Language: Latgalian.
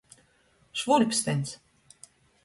Švuļpstyns.